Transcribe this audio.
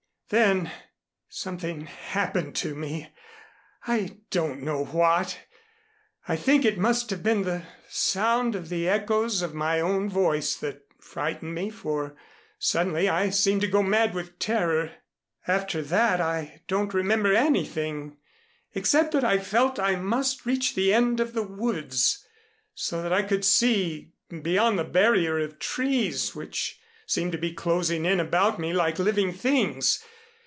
Then something happened to me, I don't know what. I think it must have been the sound of the echoes of my own voice that frightened me, for suddenly I seemed to go mad with terror. After that I don't remember anything, except that I felt I must reach the end of the woods, so that I could see beyond the barrier of trees which seemed to be closing in about me like living things.